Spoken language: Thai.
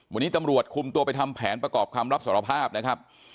วันนี้ตำรวจคุมตัวไปทำแผนประกอบคำรับสารภาพนะครับ